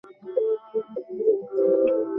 ভালো করে শোনো।